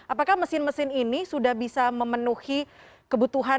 apakah mesin mesin ini sudah bisa memenuhi kebutuhan